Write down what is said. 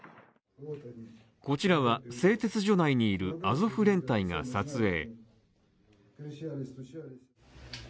こちらは、製鉄所内にいるアゾフ連隊が撮影。